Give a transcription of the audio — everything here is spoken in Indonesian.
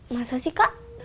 masa sih kak